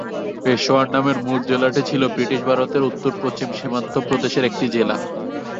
পেশাওয়ার নামের মূল জেলাটি ছিল ব্রিটিশ ভারতের উত্তর-পশ্চিম সীমান্ত প্রদেশের একটি জেলা।